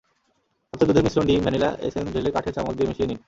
তাতে দুধের মিশ্রণ, ডিম, ভ্যানিলা এসেন্স ঢেলে কাঠের চামচ দিয়ে মিশিয়ে নিন।